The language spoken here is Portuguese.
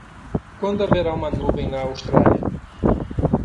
Quando haverá uma nuvem na Austrália?